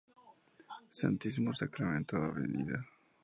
Santísimo Sacramento, Av.